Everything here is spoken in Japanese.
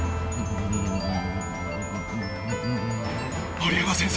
森山先生！